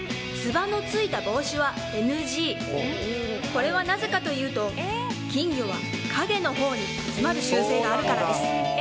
これはなぜかというと金魚は陰のほうに集まる習性があるからです。